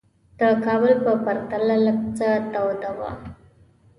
د کابل په پرتله لږ څه توده وه.